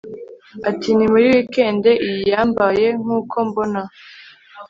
ati ni muri wikendi, iyi yambaye nkuko mbona